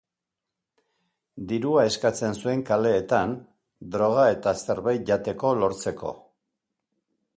Dirua eskatzen zuen kaleetan, droga eta zerbait jateko lortzeko.